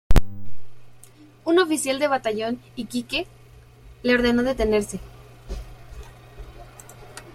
Un oficial del batallón Iquique le ordenó detenerse.